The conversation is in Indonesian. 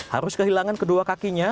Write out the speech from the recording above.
harus kehilangan kedua kakinya